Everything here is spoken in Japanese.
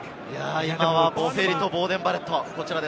ボフェリとボーデン・バレット。